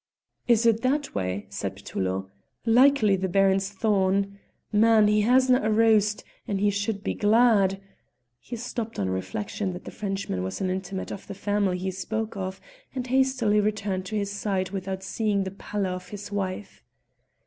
"Is it that way?" said Petullo. "Likely the Baron's thrawn. Man, he hasna a roost, and he should be glad " He stopped on reflection that the Frenchman was an intimate of the family he spoke of, and hastily returned to his side without seeing the pallor of his wife.